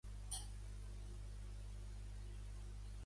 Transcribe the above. Ara travessa també el canal l'autopista de Yellowhead.